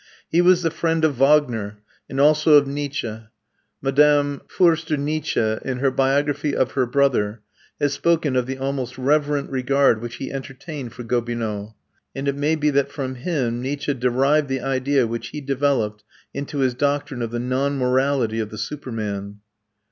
He was the friend of Wagner, and also of Nietzsche. Madame Förster Nietzsche in her biography of her brother has spoken of the almost reverent regard which he entertained for Gobineau, and it may be that from him Nietzsche derived the idea which he developed into his doctrine of the non morality of the superman.